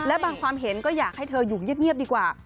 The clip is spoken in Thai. และบางความเห็นก็อยากให้เธออยู่เงียบดีกว่า